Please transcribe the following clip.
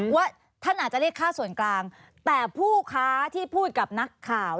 ว่าท่านอาจจะเรียกค่าส่วนกลางแต่ผู้ค้าที่พูดกับนักข่าว